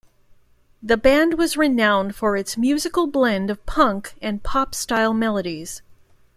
The band was renowned for its musical blend of punk and pop-style melodies.